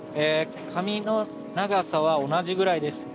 髪の長さは同じぐらいです。